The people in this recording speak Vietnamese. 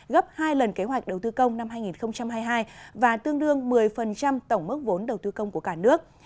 gấp hai lần kế hoạch đầu tư công năm hai nghìn hai mươi hai và tương đương một mươi tổng mức vốn đầu tư công của cả nước